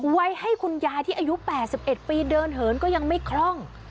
ไว้ให้คุณยายที่อายุ๘๑ปีเดินเหินก็ยังไม่คล่อง